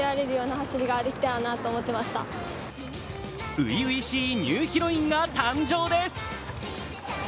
初々しいニューヒロインが誕生です。